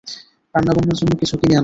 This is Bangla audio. রান্নাবান্নার জন্য কিছু কিনে আনলাম!